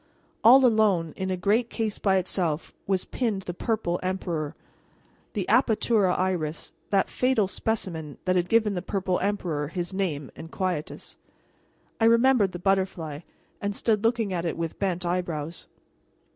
All alone in a great case by itself was pinned the purple emperor, the Apatura Iris, that fatal specimen that had given the Purple Emperor his name and quietus. I remembered the butterfly, and stood looking at it with bent eyebrows.